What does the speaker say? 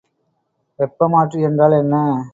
வெப்பமாற்றி என்றால் என்ன?